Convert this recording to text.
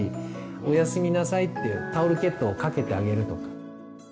おやすみなさいってタオルケットをかけてあげるとか。